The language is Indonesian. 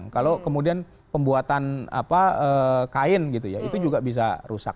kalau kemudian pembuatan kain itu juga bisa rusak